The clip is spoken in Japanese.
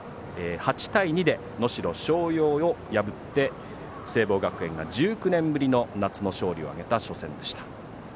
８対２で能代松陽を破って、聖望学園が１９年ぶりの夏の勝利を挙げた初戦でした。